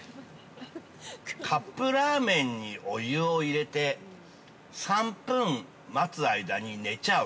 カップラーメンにお湯を入れて、３分待つ間に寝ちゃう。